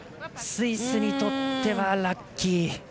スイスにとってはラッキー。